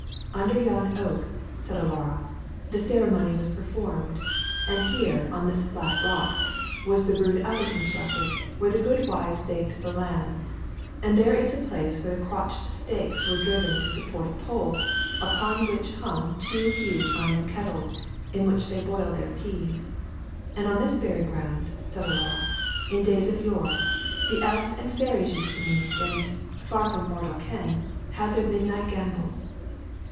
"Under yonder oak," said O'Lara, "the ceremony was performed; and here, on this flat rock, was the rude oven constructed, where the good wives baked the lamb; and there is the place where crotched stakes were driven to support a pole, upon which hung two huge iron kettles, in which they boiled their peas. And on this very ground," said O'Lara, "in days of yore, the elfs and fairies used to meet, and, far from mortal ken, have their midnight gambols."